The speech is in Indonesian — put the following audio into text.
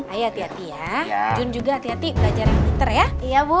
ayo hati hati ya jun juga hati hati belajar yang pinter ya iya bu